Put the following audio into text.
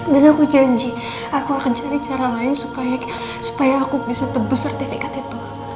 dan aku janji aku akan cari cara lain supaya aku bisa tebus sertifikat itu